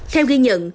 theo ghi nhận